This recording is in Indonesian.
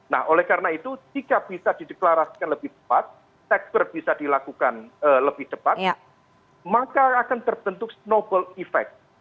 nah oleh karena itu jika bisa dideklarasikan lebih tepat sekber bisa dilakukan lebih cepat maka akan terbentuk snowball effect